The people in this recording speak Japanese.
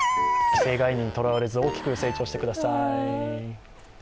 既成概念にとらわれず大きく成長してください。